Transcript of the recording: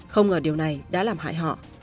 không ngờ điều này đã làm hại họ